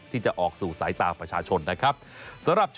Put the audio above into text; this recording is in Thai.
ที่จะออกสู่สายตาประชาชนนะครับ